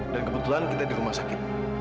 dan kebetulan kita di rumah sakit